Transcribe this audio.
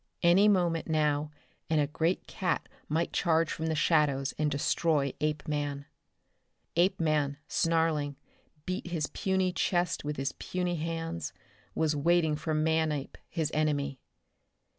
Any moment now and a great cat might charge from the shadows and destroy Apeman. Apeman, snarling, beating his puny chest with his puny hands, was waiting for Manape his enemy.